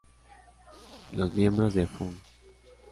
Los miembros de Fun.